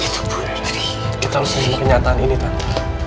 itu pun ada di dalam sisi kenyataan ini tante